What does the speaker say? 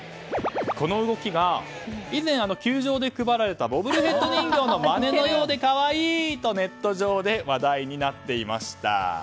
この動きが以前球場で配られたボブルヘッド人形のまねのようで可愛いとネット上で話題になっていました。